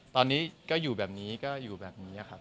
ตอนนี้ก็อยู่แบบนี้ก็อยู่แบบนี้ครับ